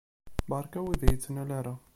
Beṛka ur yi-d-ttnal ara.